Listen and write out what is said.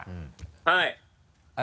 はい。